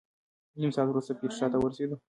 نیم ساعت وروسته پېټرا ته ورسېدو.